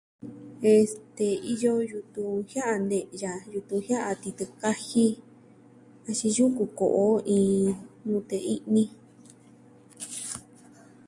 Este, iyo yutun jia'a ne'ya, yutun jia'a titɨ kaji, axin yuku ko'o iin nute i'ni.